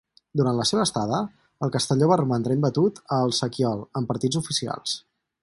Durant la seva estada el Castelló va romandre imbatut a El sequiol en partits oficials.